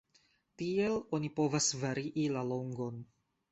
Tiel oni povas varii la longon.